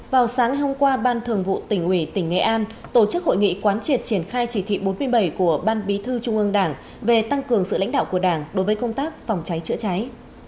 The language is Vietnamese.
vào sáng hôm qua ban thường vụ tỉnh ủy tỉnh nghệ an tổ chức hội nghị quán triệt triển khai chỉ thị bốn mươi bảy của ban bí thư trung ương đảng về tăng cường sự lãnh đạo của đảng đối với công tác phòng cháy chữa cháy